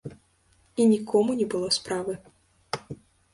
І нікому не было справы.